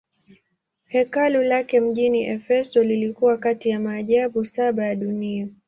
Hekalu lake mjini Efeso lilikuwa kati ya maajabu saba ya dunia.